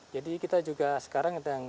jadi kita juga sekarang